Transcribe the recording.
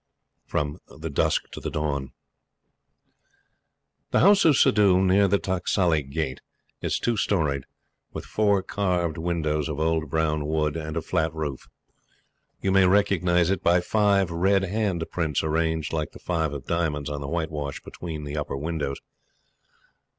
From the Dusk to the Dawn. The house of Suddhoo, near the Taksali Gate, is two storied, with four carved windows of old brown wood, and a flat roof. You may recognize it by five red hand prints arranged like the Five of Diamonds on the whitewash between the upper windows.